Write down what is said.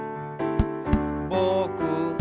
「ぼく」